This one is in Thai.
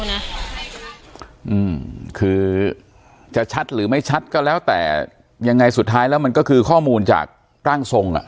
อืมคือจะชัดหรือไม่ชัดก็แล้วแต่ยังไงสุดท้ายแล้วมันก็คือข้อมูลจากร่างทรงอ่ะ